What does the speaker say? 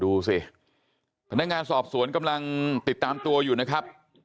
ดูสิพนักงานสอบสวนกำลังติดตามตัวอยู่นะครับ